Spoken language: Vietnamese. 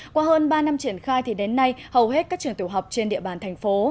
qua hơn ba năm triển khai thì đến nay hầu hết các trường tiểu học trên địa bàn thành phố